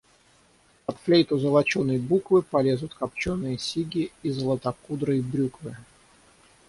Под флейту золоченой буквы полезут копченые сиги и золотокудрые брюквы.